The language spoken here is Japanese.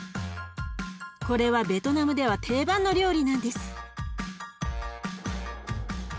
これはベトナムでは定番の料理なんです。